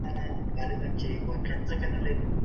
لښتې د نغري ایرې په غونډۍ کې باد کړې.